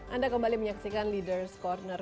anda kembali menyaksikan leaders ⁇ corner